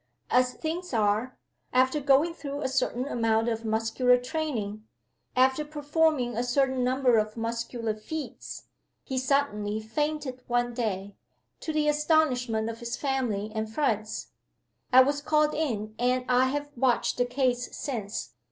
As things are, after going through a certain amount of muscular training, after performing a certain number of muscular feats, he suddenly fainted one day, to the astonishment of his family and friends. I was called in and I have watched the case since.